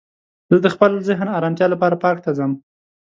زه د خپل ذهن ارامتیا لپاره پارک ته ځم